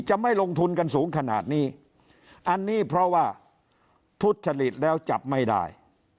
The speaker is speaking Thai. จะไม่ลงทุนกันสูงขนาดนี้อันนี้เพราะว่าทุจริตแล้วจับไม่ได้